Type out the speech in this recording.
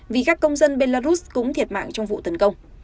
vì các công dân belarus cũng thiệt mạng trong vụ tấn công